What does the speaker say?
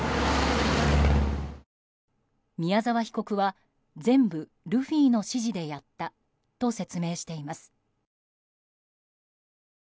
宮沢被告は全部ルフィの指示でやったと説明しています。